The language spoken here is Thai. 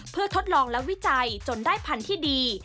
เพื่อทดลองและวิจัยจนได้พันธุ์ที่ดี